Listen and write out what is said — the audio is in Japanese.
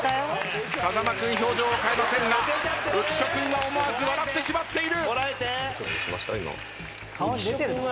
風間君表情を変えませんが浮所君は思わず笑ってしまっている。